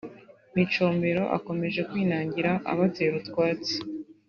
Micombero akomeje kwinangira abatera utwatsi